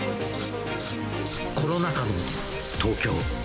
コロナ禍の東京。